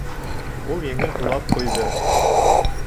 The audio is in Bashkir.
Ул еңел һулап ҡуйҙы.